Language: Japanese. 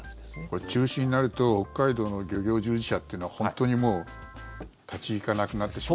これ、中止になると北海道の漁業従事者っていうのは本当にもう立ち行かなくなってしまう。